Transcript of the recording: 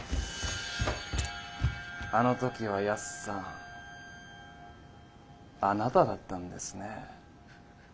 あの時はヤスさんあなただったんですね。